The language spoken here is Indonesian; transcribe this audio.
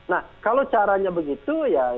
nah kalau caranya begitu ya